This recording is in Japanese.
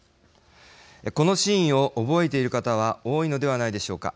このシーンを覚えている方は多いのではないでしょうか。